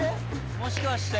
もしかして。